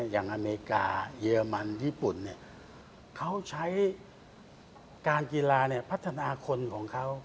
อเมริกาเยอรมันญี่ปุ่นเขาใช้การกีฬาพัฒนาคนของเขา